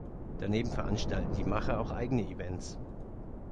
Daneben veranstalten die Macher auch eigene Events.